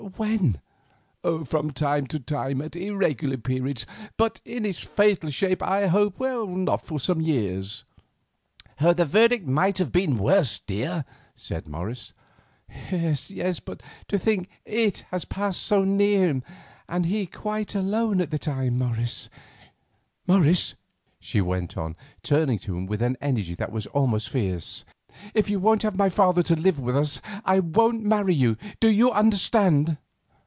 "When?" "From time to time, at irregular periods. But in its fatal shape, as I hope, not for some years." "The verdict might have been worse, dear," said Morris. "Yes, yes, but to think that it has passed so near to him, and he quite alone at the time. Morris," she went on, turning to him with an energy that was almost fierce, "if you won't have my father to live with us, I won't marry you. Do you understand?"